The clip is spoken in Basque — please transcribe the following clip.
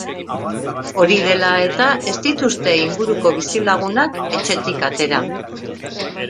Hori dela eta, ez dituzte inguruko bizilagunak etxetik atera.